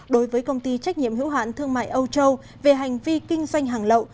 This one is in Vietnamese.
đối với công ty trách nhiệm hữu hạn thương mại âu châu về hành vi kinh doanh hàng lậu